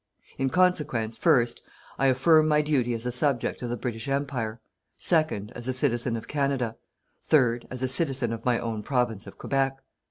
In consequence, first, I affirm my duty as a subject of the British Empire; second, as a citizen of Canada; third, as a citizen of my own Province of Quebec.